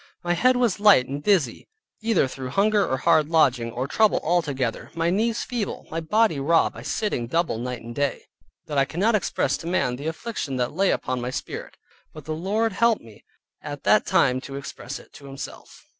My head was light and dizzy (either through hunger or hard lodging, or trouble or all together), my knees feeble, my body raw by sitting double night and day, that I cannot express to man the affliction that lay upon my spirit, but the Lord helped me at that time to express it to Himself.